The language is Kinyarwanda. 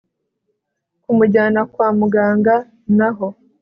kumujyana kwa muganga naho